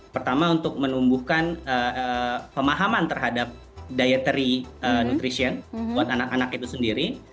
pertama untuk menumbuhkan pemahaman terhadap diatary nutrition buat anak anak itu sendiri